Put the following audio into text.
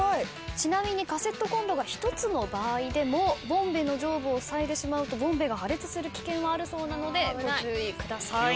ちなみにカセットコンロが１つの場合でもボンベの上部をふさいでしまうとボンベが破裂する危険はあるそうなのでご注意ください。